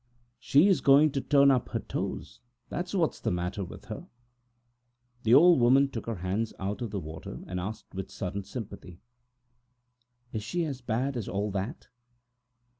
"She is going to turn up her toes, that's what's the matter with her!" The old woman took her hands out of the water and asked with sudden sympathy: "Is she as bad as all that?"